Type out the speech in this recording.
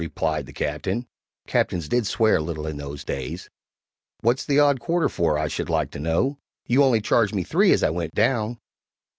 replied the Captain (captains did swear a little in those days); "what's the odd quarter for, I should like to know? You only charged me three as I went down."